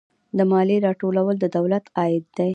د مالیې راټولول د دولت عاید دی